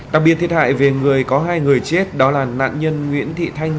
đặc biệt thiệt hại về người có hai người chết đó là nạn nhân nguyễn thị thanh